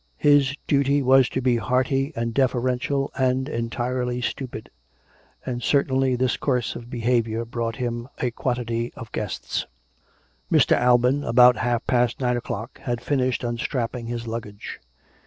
His duty was to be hearty and deferen tial and entirely stupid; and certainly this course of be haviour brought him a quantity of guests. Mr. Alban, about half past nine o'clock, had finished unstrapping his luggage.